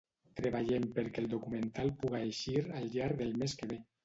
Treballem perquè el documental puga eixir al llarg del mes que ve.